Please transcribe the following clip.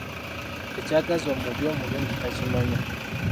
Ekyagaza omubi, omulungi takimanya.